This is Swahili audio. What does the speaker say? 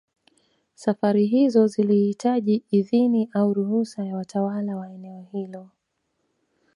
Safari hizo zilihitaji idhini au ruhusa ya watawala wa eneo hilo